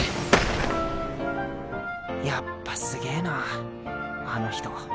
やっぱすげぇなあの人。